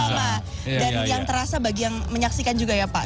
sama dan yang terasa bagi yang menyaksikan juga ya pak